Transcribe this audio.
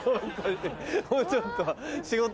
もうちょっと。